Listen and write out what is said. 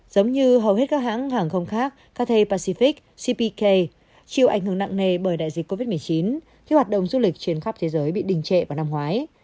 giống như hầu hết các hãng hàng không khác cathe pacific cpk chịu ảnh hưởng nặng nề bởi đại dịch covid một mươi chín khi hoạt động du lịch trên khắp thế giới bị đình trệ vào năm ngoái